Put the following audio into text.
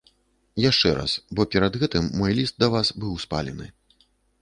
Яшчэ раз, бо перад гэтым мой ліст да вас быў спалены.